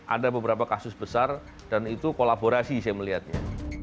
ada beberapa kasus besar dan itu kolaborasi saya melihatnya